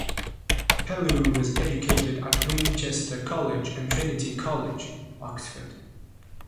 Pellew was educated at Winchester College and Trinity College, Oxford.